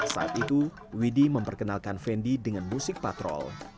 saat itu widinur mahmudi memperkenalkan fendi dengan musik patrol